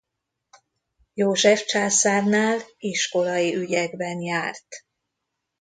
József császárnál iskolai ügyekben járt.